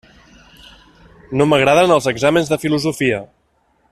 No m'agraden els exàmens de filosofia.